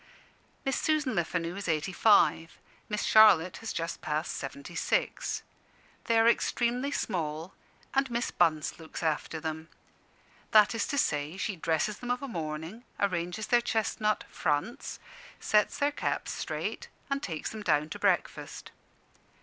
Miss Susan Lefanu is eighty five; Miss Charlotte has just passed seventy six. They are extremely small, and Miss Bunce looks after them. That is to say, she dresses them of a morning, arranges their chestnut "fronts," sets their caps straight, and takes them down to breakfast.